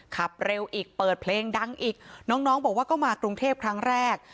ขับเร็วอีกเปิดเพลงดังอีกน้องบอกว่าก็มากรุงเทพครั้งแรก